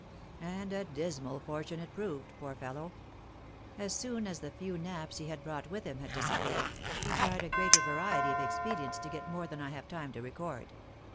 And a dismal fortune it proved, poor fellow ! As soon as the few naps he had brought with him had disappeared, he tried a greater variety of expedients to get more than I have time to record.